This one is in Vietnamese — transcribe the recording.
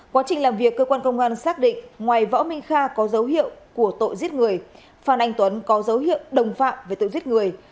quá trình làm việc cơ quan công an xác định ngoài võ minh kha có dấu hiệu của tội giết người phan anh tuấn có dấu hiệu đồng phạm về tội giết người